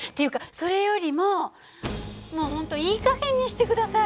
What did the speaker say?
それよりももう本当いい加減にして下さい。